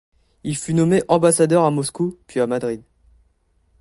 Il fut nommé ambassadeur à Moscou, puis à Madrid.